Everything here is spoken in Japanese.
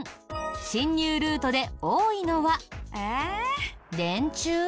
侵入ルートで多いのは電柱？